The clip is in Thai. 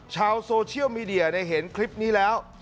ชาวโซเชียลมีเดียเห็นคลิปนี้แล้ว